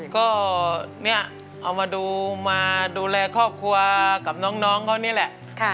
ก็เนี่ยเอามาดูมาดูแลครอบครัวกับน้องเขานี่แหละ